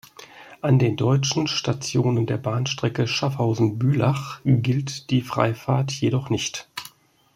An den deutschen Stationen der Bahnstrecke Schaffhausen–Bülach gilt die Freifahrt jedoch nicht.